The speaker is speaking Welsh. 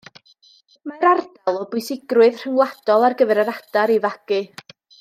Mae'r ardal o bwysigrwydd rhyngwladol ar gyfer yr adar i fagu